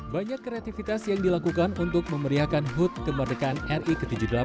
banyak kreativitas yang dilakukan untuk memeriahkan hud kemerdekaan ri ke tujuh puluh delapan